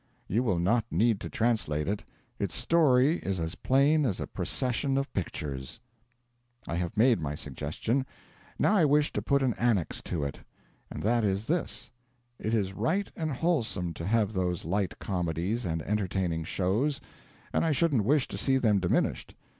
You will not need to translate it; its story is as plain as a procession of pictures. I have made my suggestion. Now I wish to put an annex to it. And that is this: It is right and wholesome to have those light comedies and entertaining shows; and I shouldn't wish to see them diminished.